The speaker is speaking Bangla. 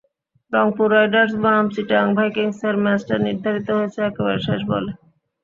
রংপুর রাইডার্স বনাম চিটাগং ভাইকিংসের ম্যাচটা নির্ধারিত হয়েছে একেবারে শেষ বলে।